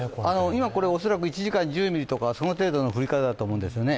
今これ、恐らく１時間１０ミリとか、その程度の降り方だと思うんですね。